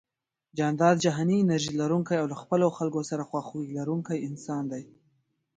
جانداد جهاني انرژي لرونکی او له خپلو خلکو سره خواخوږي لرونکی انسان دی